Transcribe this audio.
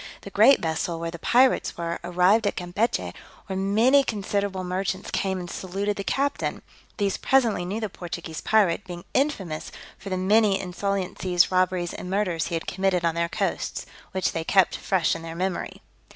The great vessel, where the pirates were, arrived at Campechy, where many considerable merchants came and saluted the captain; these presently knew the Portuguese pirate, being infamous for the many insolencies, robberies and murders he had committed on their coasts, which they kept fresh in their memory.